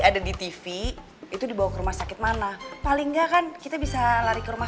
ada di tv itu dibawa ke rumah sakit mana paling nggak kan kita bisa lari ke rumah